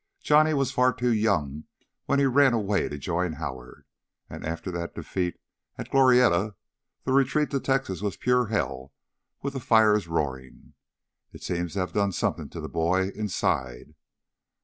"Johnny was far too young when he ran away to join Howard. And after that defeat at Glorieta, the retreat to Texas was pure hell with the fires roaring. It seems to have done something to the boy—inside."